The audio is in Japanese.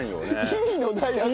意味のない遊び。